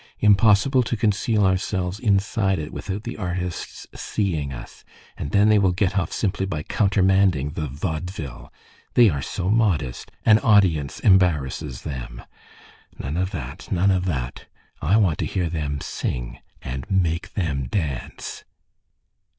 Impossible to conceal ourselves inside it without the artists seeing us, and then they will get off simply by countermanding the vaudeville. They are so modest! An audience embarrasses them. None of that, none of that. I want to hear them sing and make them dance."